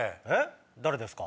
誰ですか？